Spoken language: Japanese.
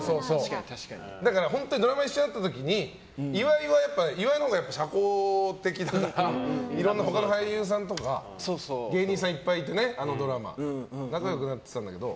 だから本当にドラマ一緒だった時に岩井のほうが社交的だからいろんな他の俳優さんとか芸人さんとかもいて仲良くなってたんだけど。